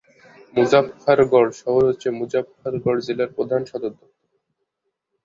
মুজাফফারগড় শহর হচ্ছে মুজাফফারগড় জেলার প্রধান সদর দপ্তর।